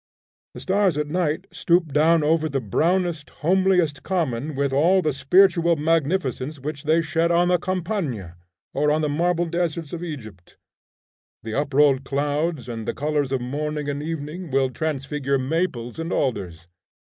The stars at night stoop down over the brownest, homeliest common with all the spiritual magnificence which they shed on the Campagna, or on the marble deserts of Egypt. The uprolled clouds and the colors of morning and evening will transfigure maples and alders.